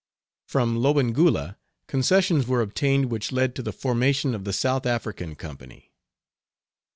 From Lobengula concessions were obtained which led to the formation of the South African Company.